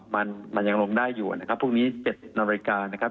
มันยังลงได้อยู่พรุ่งนี้เสร็จนาฬิกา